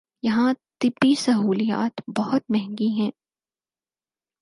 یہاں طبی سہولیات بہت مہنگی ہیں